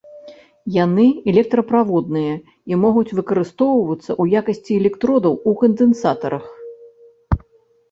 Яны электраправодныя і могуць выкарыстоўвацца ў якасці электродаў ў кандэнсатарах.